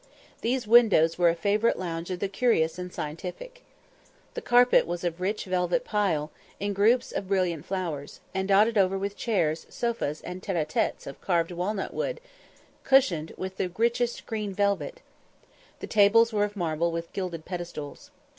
These windows were a favourite lounge of the curious and scientific. The carpet was of rich velvet pile, in groups of brilliant flowers, and dotted over with chairs, sofas, and tête à têtes of carved walnut wood, cushioned with the richest green velvet: the tables were of marble with gilded pedestals.